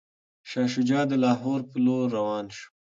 شاه شجاع د لاهور په لور روان شو.